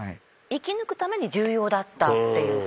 生き抜くために重要だったっていう。